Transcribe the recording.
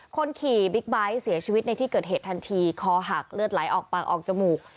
คนขี่บิ๊กไบท์เสียชีวิตในที่เกิดเหตุทันทีคอหักเลือดไหลออกปากออกจมูก